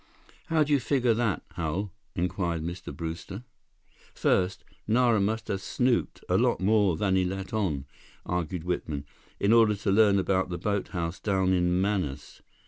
"How do you figure that, Hal?" inquired Mr. Brewster. "First, Nara must have snooped a lot more than he let on," argued Whitman, "in order to learn about that boathouse down in Manaus.